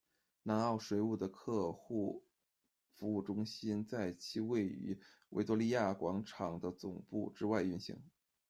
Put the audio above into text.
南澳水务的客户服务中心在其位于维多利亚广场的总部之外运行。